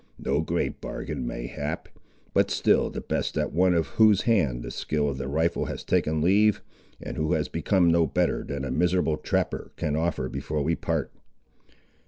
No great bargain, mayhap; but still the best that one, of whose hand the skill of the rifle has taken leave, and who has become no better than a miserable trapper, can offer before we part."